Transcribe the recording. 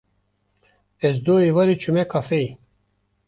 Ez duh êvarê çûme kafeyê.